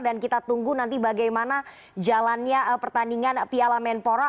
dan kita tunggu nanti bagaimana jalannya pertandingan piala menpora